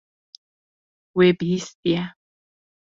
Wê bihîstiye.